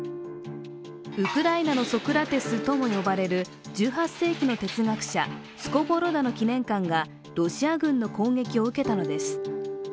ウクライナのソクラテスとも呼ばれる１８世紀の哲学者スコヴォロダの記念館がロシア軍の攻撃を受けたのです。